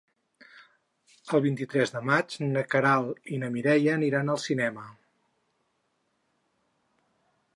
El vint-i-tres de maig na Queralt i na Mireia aniran al cinema.